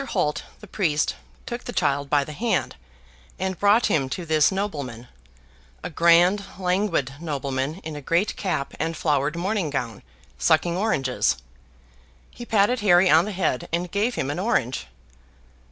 Holt, the priest, took the child by the hand, and brought him to this nobleman, a grand languid nobleman in a great cap and flowered morning gown, sucking oranges. He patted Harry on the head and gave him an orange.